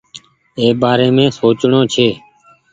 اي بآري سوچڻو ڇي۔